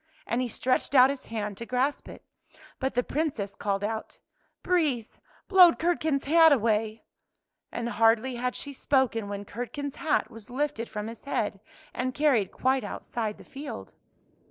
And he stretched out his hand to grasp it. But the Princess called out, " Breeze, blow Curdken's hat away! " And hardly had she spoken when Curd ken's hat was lifted from his head, and carried quite outside the field.